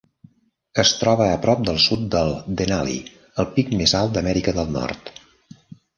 Es troba a prop del sud del Denali, el pic més alt d'Amèrica del Nord.